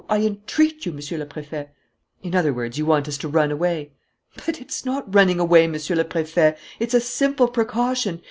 I entreat you, Monsieur le Préfet." "In other words, you want us to run away." "But it's not running away, Monsieur le Préfet. It's a simple precaution.